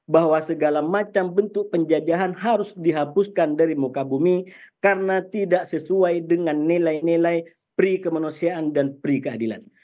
bahwa segala macam bentuk penjajahan harus dihapuskan dari muka bumi karena tidak sesuai dengan nilai nilai pri kemanusiaan dan priadilan